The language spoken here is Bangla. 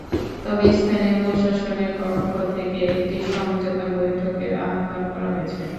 তবে স্থানীয় প্রশাসনের পক্ষ থেকে একটি সমঝোতা বৈঠকের আহ্বান করা হয়েছে।